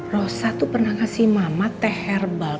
rosa tuh pernah ngasih mama teh herbal